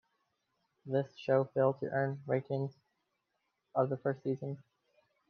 This show failed to earn the ratings of the first season.